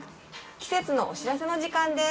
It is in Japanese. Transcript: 季節のお知らせの時間です。